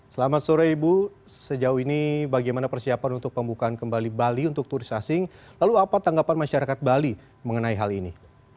selamat sore ibu sejauh ini bagaimana persiapan untuk pembukaan kembali bali untuk turis asing lalu apa tanggapan masyarakat bali mengenai hal ini